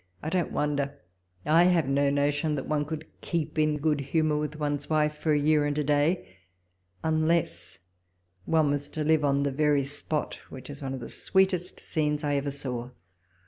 I don't wonder ; I have no notion that one could keep in good humour with one's wife for a year and a day, unless one was to live on the very spot, which is one of the sweetest scenes I ever saw.